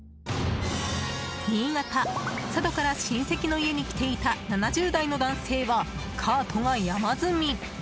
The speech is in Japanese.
新潟・佐渡から親戚の家に来ていた７０代の男性はカートが山積み！